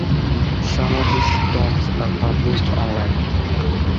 Some of his talks are published online.